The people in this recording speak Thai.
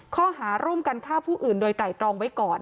ข้อหาร่วมกันฆ่าผู้อื่นโดยไตรตรองไว้ก่อน